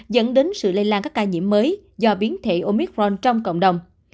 dẫn đến sự lây lan các ca nhiễm mới do biến thể omicron trong cộng đồng